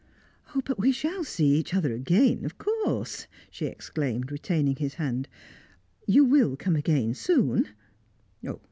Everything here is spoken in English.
"But we shall see each other again, of course!" she exclaimed, retaining his hand. "You will come again soon?"